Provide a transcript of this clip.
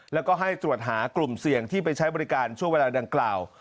แล้วก็ให้ตรวจหากลุ่มเสี่ยงที่ไปใช้บริการช่วงเวลาดังกล่าว